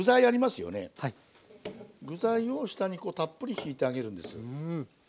具材を下にこうたっぷりひいてあげるんです。